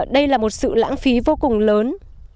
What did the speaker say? đây là một sự lãng phí vô cùng lớn